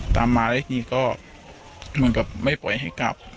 ตามมาแล้วทีนี้ก็เหมือนกับไม่ปล่อยให้กลับ